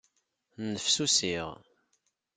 Nnefsusiɣ.